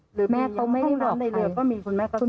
หรือมียังห้องน้ำในเรือก็มีคุณแม่เขาทราบ